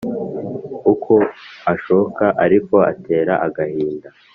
uko ashoka aliko atera agahinda